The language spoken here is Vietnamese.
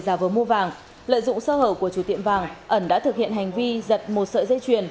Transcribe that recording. ra vớ mua vàng lợi dụng sơ hở của chủ tiệm vàng ẩn đã thực hiện hành vi giật một sợi dây truyền